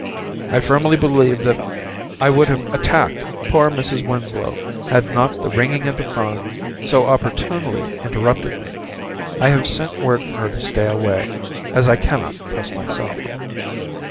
I firmly believe that I would have attacked poor Mrs. Winslow, had not the ringing of the 'phone so opportunely interrupted me. I have sent word for her to stay away ... as I cannot trust myself.